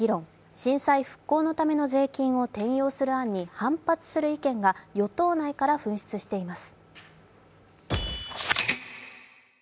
震災復興のための税金を転用する案に反発する意見が与党内から噴出しています。